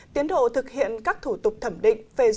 tiến độ thực hiện các thủ tục thẩm định